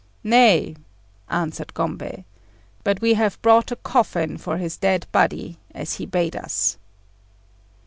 "Nay," answered Gombei, "but we have brought a coffin for his dead body, as he bade us."